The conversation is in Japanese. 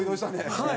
はい。